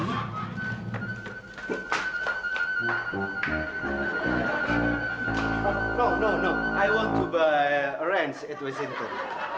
tidak tidak tidak saya mau beli rencana di wessington